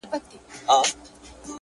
تر مرگه پوري هره شـــپــــــه را روان;